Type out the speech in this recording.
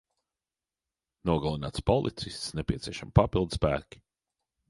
Nogalināts policists. Nepieciešami papildspēki.